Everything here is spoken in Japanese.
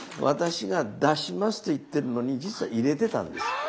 私が「出します」と言ってるのに実は入れてたんです。